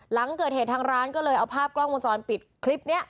หลังเกิดเหตุทางร้านก็เลยเอาภาพกล้องวงจรปิดคลิปนี้